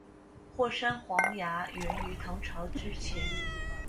霍山黄芽源于唐朝之前。